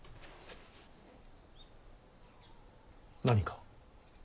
何か？